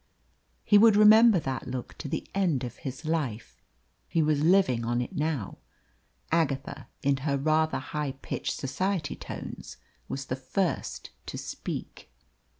He would remember that look to the end of his life; he was living on it now. Agatha, in her rather high pitched society tones, was the first to speak.